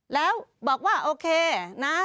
แล้วบอกว่าโอเคนะ